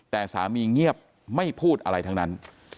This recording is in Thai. แต่สามีเงียบไม่พูดอะไรทั้งนั้น